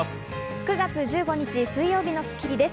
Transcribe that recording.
９月１５日、水曜日の『スッキリ』です。